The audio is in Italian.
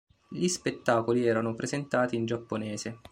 Gli spettacoli erano presentati in giapponese.